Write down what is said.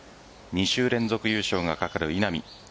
２週連続優勝が懸かる稲見。